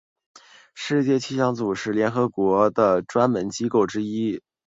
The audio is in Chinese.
世界气象组织是联合国的专门机构之一。